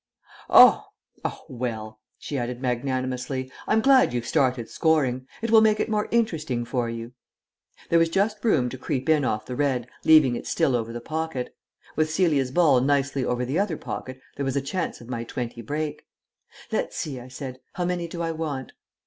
"Oh!... Oh well," she added magnanimously, "I'm glad you've started scoring. It will make it more interesting for you." There was just room to creep in off the red, leaving it still over the pocket. With Celia's ball nicely over the other pocket there was a chance of my twenty break. "Let's see," I said, "how many do I want?"